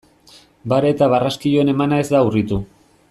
Bare eta barraskiloen emana ez da urritu.